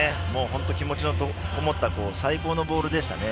本当に気持ちのこもった最高のボールでしたね。